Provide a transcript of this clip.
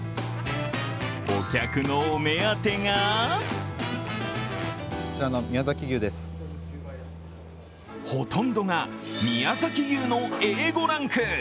お客のお目当てがほとんどが宮崎牛のＡ５ランク。